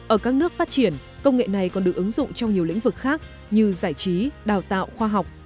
ở các nước phát triển công nghệ này còn được ứng dụng trong nhiều lĩnh vực khác như giải trí đào tạo khoa học